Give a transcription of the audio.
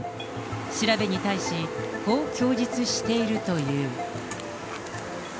調べに対し、こう供述しているという。